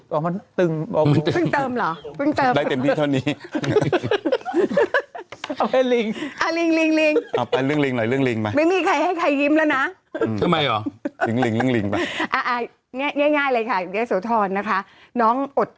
น้องก็อาจจะงงว่าเอ๊ะทำไมแม่ยิ้มให้สุด